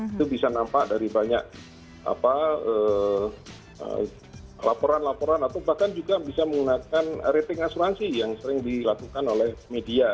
itu bisa nampak dari banyak laporan laporan atau bahkan juga bisa menggunakan rating asuransi yang sering dilakukan oleh media